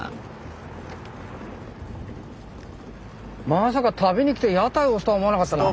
まさか旅に来て屋台押すとは思わなかったな。